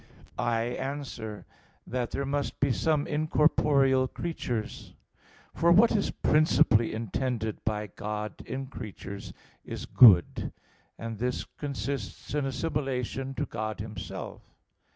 I answer that, There must be some incorporeal creatures. For what is principally intended by God in creatures is good, and this consists in assimilation to God Himself.